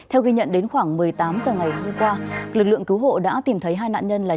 theo ghi nhận đến khoảng một mươi tám h ngày hôm qua lực lượng cứu hộ đã tìm thấy hai nạn nhân là